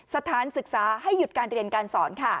สถานศึกษาให้หยุดการเรียนการสอนค่ะ